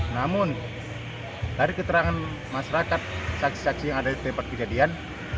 namun dari keterangan masyarakat saksi saksi yang ada di tempat kejadian